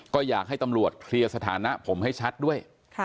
ก็อยากให้ตำรวจเคลียร์สถานะผมให้ชัดด้วย